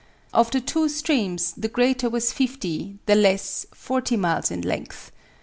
Of the two streams, the greater was fifty, the less forty, miles in length.